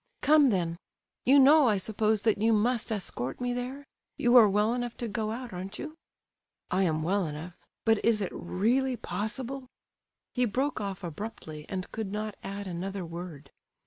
"Come then. You know, I suppose, that you must escort me there? You are well enough to go out, aren't you?" "I am well enough; but is it really possible?—" He broke off abruptly, and could not add another word.